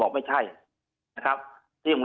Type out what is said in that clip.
ทีนี้วันอาทิตย์หยุดแล้วก็วันจันทร์ก็หยุด